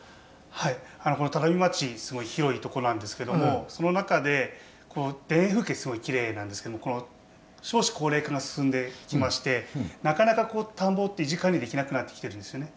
はいこの只見町すごい広いとこなんですけどもその中で田園風景すごいきれいなんですけども少子高齢化が進んできましてなかなかこう田んぼって維持管理できなくなってきてるんですね。